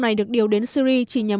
này được điều đến syri chỉ nhằm